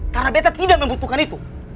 karena gue tidak membutuhkan itu